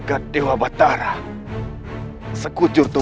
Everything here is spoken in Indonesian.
yang tersebut sangat benda